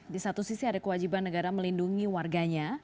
di satu sisi ada kewajiban negara melindungi warganya